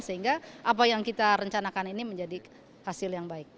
sehingga apa yang kita rencanakan ini menjadi hasil yang baik